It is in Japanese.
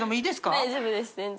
大丈夫です全然。